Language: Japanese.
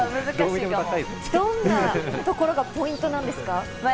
どんなところがポイントなんですか？